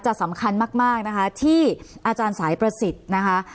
สำคัญมากนะคะที่อาจารย์สายประสิทธิ์นะคะ